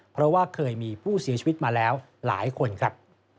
เพราะว่าเคยมีผู้เสียชีวิตมาแล้วหลายคนครับ